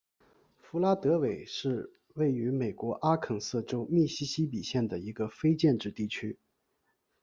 弗拉德韦是位于美国阿肯色州密西西比县的一个非建制地区。